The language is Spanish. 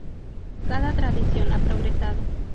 Cada tradición ha progresado.